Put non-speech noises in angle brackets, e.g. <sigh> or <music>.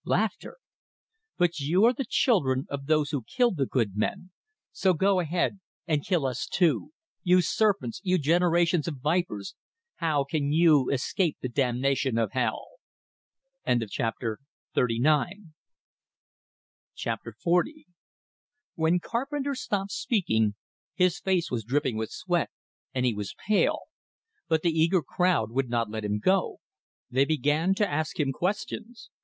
<laughs> But you are the children of those who killed the good men; so go ahead and kill us too! You serpents, you generation of vipers, how can you escape the damnation of hell?" XL When Carpenter stopped speaking, his face was dripping with sweat, and he was pale. But the eager crowd would not let him go. They began to ask him questions.